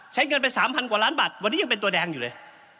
ใช้เงินไป๓๐๐กว่าล้านบาทวันนี้ยังเป็นตัวแดงอยู่เลย